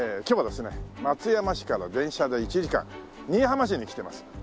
今日はですね松山市から電車で１時間新居浜市に来てます。